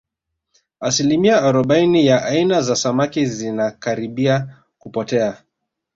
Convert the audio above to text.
asilimia arobaini ya aina za samaki zinakaribia kupotea